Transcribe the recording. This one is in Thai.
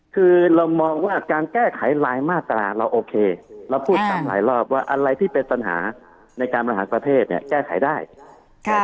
คือเรามองว่าการแก้ไขรายมาตราเราโอเคเราพูดซ้ำหลายรอบว่าอะไรที่เป็นปัญหาในการบริหารประเทศเนี่ยแก้ไขได้ค่ะ